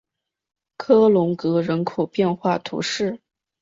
科隆格人口变化图示